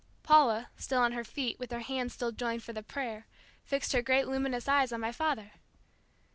Paula, still on her feet, with her hands still joined for the prayer, fixed her great luminous eyes on my father.